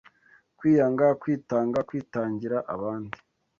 Kwiyanga, kwitanga, kwitangira abandi